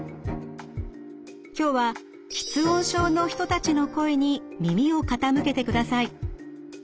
今日は吃音症の人たちの声に耳を傾けてください。